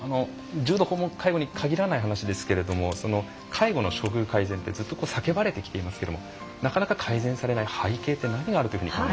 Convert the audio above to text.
重度訪問介護に限らない話ですけれども介護の処遇改善ってずっと叫ばれてきていますけどもなかなか改善されない背景って何があるというふうに。